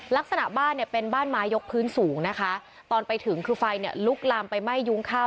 ลักษณะบ้านเนี่ยเป็นบ้านไม้ยกพื้นสูงนะคะตอนไปถึงคือไฟเนี่ยลุกลามไปไหม้ยุ้งข้าว